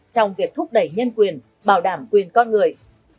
trong việc thúc đẩy nhân quyền bảo đảm quyền con người